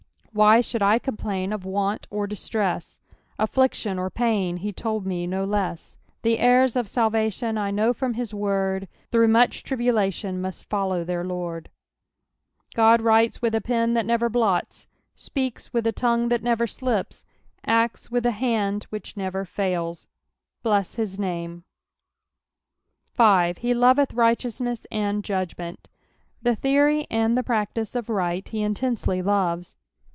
■■ Why should I compUIn of irant or distress. Affliction or iialii • lie told me do less; Tho lii:ir>t o( talvuilon, I know from Ml word, ^^ Through much iriliulatlou must follow Ihdr Lord." ^God writes with a pen that never blots, speaks with a tongue that never sUpo, acts with a hand which never fails. Bless his namO 5. "He lateth righteoumen and judgment." Tlie theory and the practice of ri^ht he intensely loves.